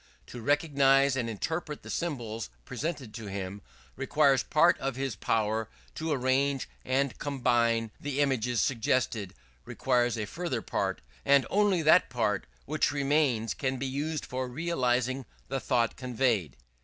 To recognize and interpret the symbols presented to him, requires part of this power; to arrange and combine the images suggested requires a further part; and only that part which remains can be used for realizing the thought conveyed.